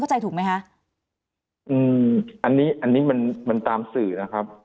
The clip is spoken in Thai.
ถูกไหมคะอืมอันนี้อันนี้มันมันตามสื่อนะครับ